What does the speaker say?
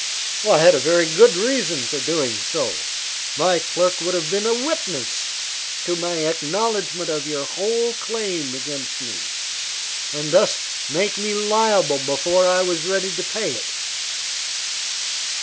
"I had a very good reason for doing so. My clerk would have been a witness to my acknowledgment of your whole claim against me, and thus make me liable before I was ready to pay it.